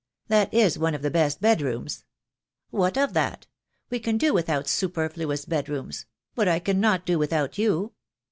"That is one of the best bedrooms." "What of that! We can do without superfluous bed rooms; but I cannot do without you.